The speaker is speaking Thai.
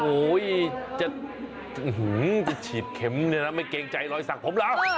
โอ้โหเฉียนเข็มไม่เกรงใจรอยฉีดผมว่ะ